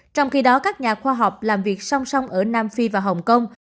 trong khi đó các nhà khoa học làm việc song song ở nam phi và hồng kông